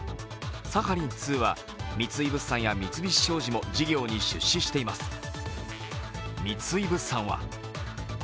サハリン２は三井物産や三菱商事も事業に出資しています。